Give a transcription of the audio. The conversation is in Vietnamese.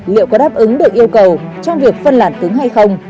liệu có đáp ứng được yêu cầu trong việc phân làn cứng hay không